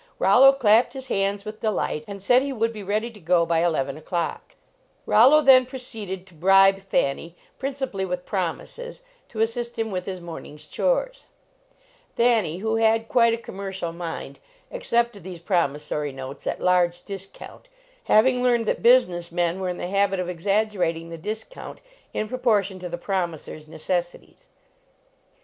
Rollo clapped his hands with delight, and said he would be ready to go by eleven o clock. 77 LEARNING TO TRAVEL Rollo then proceeded to bribe Thanny, principally with promises, to assist him with his morning s chores. Thanny, who had quite a commercial mind, accepted these promissory notes at large discount, having learned that business men were in the habit of exaggerating the discount in proportion to the promisor s necessities.